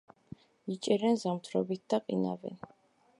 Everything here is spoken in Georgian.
იჭერენ ზამთრობით და ყინავენ.